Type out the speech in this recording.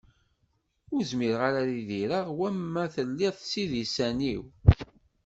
Ur zmireɣ ara ad idireɣ war ma telliḍ s idisan-iw.